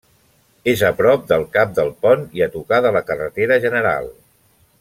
És a prop del cap del pont i a tocar de la carretera general.